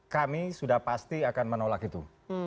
kami sudah pasti akan menolak itu